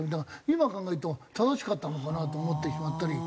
今考えると正しかったのかなと思ってしまったり。